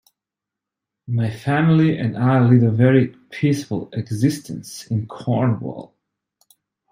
My family and I lead a very peaceful existence in Cornwall.